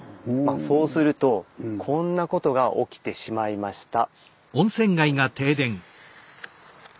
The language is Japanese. そうするとこんなことが起きてしまいました。